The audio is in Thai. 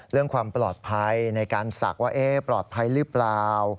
เรื่องความปลอดภัยในการศักดิ์ว่าปลอดภัยหรือเปล่า